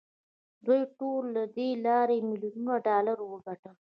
دوی ټولو له دې لارې میلیونونه ډالر وګټل